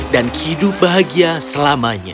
dan hidup bahagia selamanya